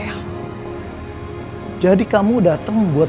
iya jadi quarterback